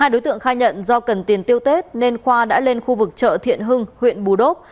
hai đối tượng khai nhận do cần tiền tiêu tết nên khoa đã lên khu vực chợ thiện hưng huyện bù đốc